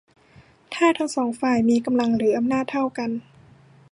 ถ้าทั้งสองฝ่ายมีกำลังหรืออำนาจเท่ากัน